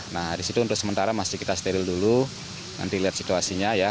nah disitu untuk sementara masih kita steril dulu nanti lihat situasinya ya